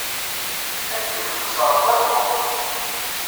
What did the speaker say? Ad k-yebxes Ṛebbi am Buxus.